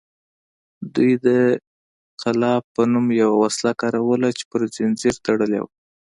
دوی د قلاب په نوم یوه وسله کاروله چې پر زنځیر تړلې وه